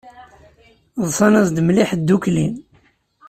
Ḍsan-as-d mliḥ ddukkli.